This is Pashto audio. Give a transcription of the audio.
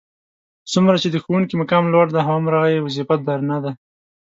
څومره چې د ښوونکي مقام لوړ دی هغومره یې وظیفه درنه ده.